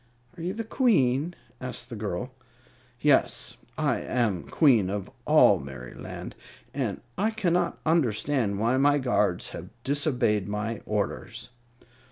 "Are you the Queen?" asked the girl. "Yes, I am Queen of all Merryland; and I cannot understand why my guards have disobeyed my orders."